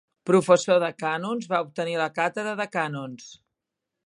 Professor de cànons, va obtenir la càtedra de cànons.